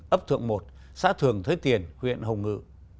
ấp thượng một xã thường thới tiền huyện hồng ngự